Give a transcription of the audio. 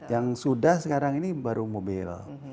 yang sudah sekarang ini baru mobil